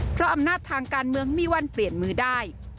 เพราะอำนาจทางการเมืองมีวันเปลี่ยนมือได้